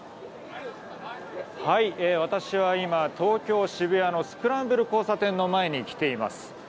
私は今、東京・渋谷のスクランブル交差点の前に来ています。